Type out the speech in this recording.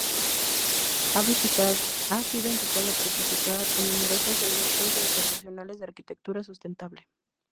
Ha sido invitado a participar en numerosos eventos internacionales de arquitectura sustentable.